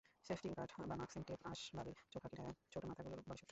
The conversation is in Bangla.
সেফটি গার্ড বা মাস্কিং টেপ আসবাবের চোখা কিনারা ছোট মাথাগুলোর বড় শত্রু।